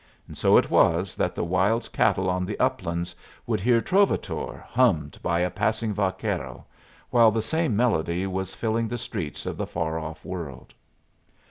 And so it was that the wild cattle on the uplands would hear "Trovatore" hummed by a passing vaquero, while the same melody was filling the streets of the far off world.